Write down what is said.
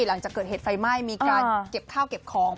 หลังจากเกิดเหตุไฟไหม้มีการเก็บข้าวเก็บของ